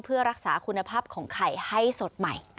เพื่อรักษาคุณภาพของไข่ให้สดใหม่